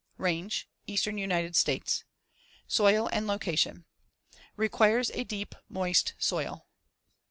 Range: Eastern United States. Soil and location: Requires a deep, moist soil.